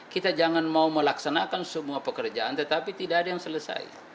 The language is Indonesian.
kita jangan mau melaksanakan semua pekerjaan tetapi tidak ada yang selesai